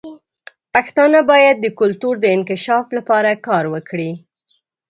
پښتانه باید د کلتور د انکشاف لپاره کار وکړي.